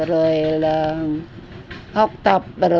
rồi là học tập